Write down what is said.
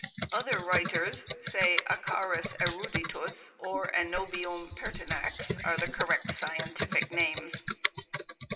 Other writers say "Acarus eruditus" or "Anobium pertinax" are the correct scientific names.